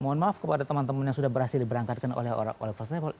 mohon maaf kepada teman teman yang sudah berhasil diberangkatkan oleh first travel